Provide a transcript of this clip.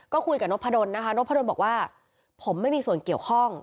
ก็คุยกับนกพะดนนะคะนกพะดนบอกว่าผมไม่มีส่วนเกี่ยวข้อง